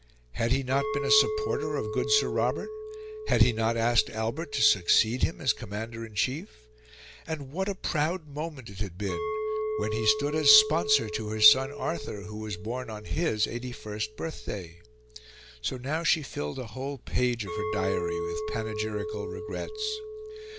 Had he not been a supporter of good Sir Robert? Had he not asked Albert to succeed him as commander in chief? And what a proud moment it had been when he stood as sponsor to her son Arthur, who was born on his eighty first birthday! So now she filled a whole page of her diary with panegyrical regrets.